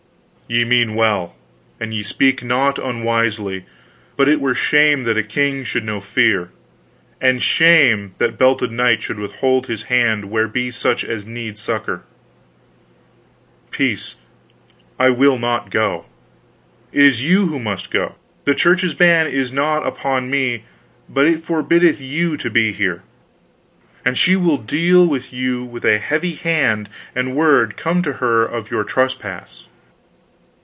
"Ye mean well, and ye speak not unwisely. But it were shame that a king should know fear, and shame that belted knight should withhold his hand where be such as need succor. Peace, I will not go. It is you who must go. The Church's ban is not upon me, but it forbiddeth you to be here, and she will deal with you with a heavy hand an word come to her of your trespass."